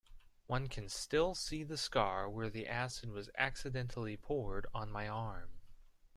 One can still see the scar where the acid was accidentally poured on my arm.